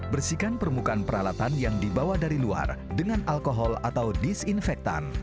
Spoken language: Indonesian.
bersihkan permukaan peralatan yang dibawa dari luar dengan alkohol atau disinfektan